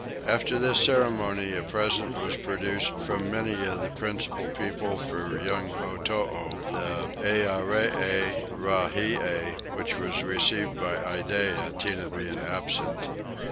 After this ceremony a present was produced from many of the principal people for young Otoo, the Earee Rahie, which was received by Iddeah, Tinah being absent.